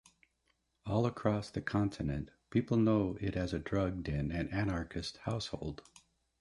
All across the continent, people know it as a drug den and anarchist household.